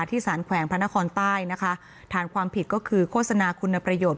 สารแขวงพระนครใต้นะคะฐานความผิดก็คือโฆษณาคุณประโยชน์